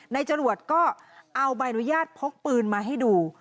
จรวดก็เอาใบอนุญาตพกปืนมาให้ดู